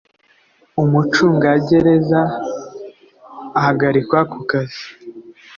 Umucungagereza ahagarikwa ku kazi